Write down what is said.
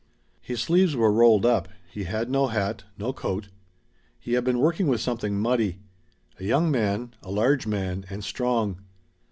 His sleeves were rolled up; he had no hat, no coat. He had been working with something muddy. A young man, a large man, and strong.